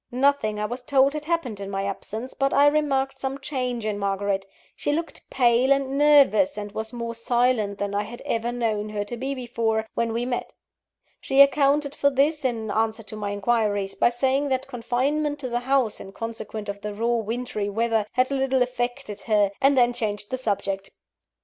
Nothing, I was told, had happened in my absence, but I remarked some change in Margaret. She looked pale and nervous, and was more silent than I had ever known her to be before, when we met. She accounted for this, in answer to my inquiries, by saying that confinement to the house, in consequence of the raw, wintry weather, had a little affected her; and then changed the subject.